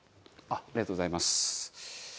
ありがとうございます。